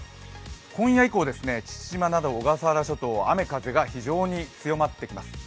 今夜以降、父島など小笠原諸島、雨風が非常に強まってきます。